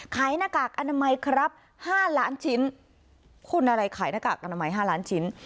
หน้ากากอนามัยครับ๕ล้านชิ้นคุณอะไรขายหน้ากากอนามัย๕ล้านชิ้น